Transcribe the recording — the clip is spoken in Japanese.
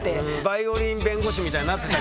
バイオリン弁護士みたいになってた。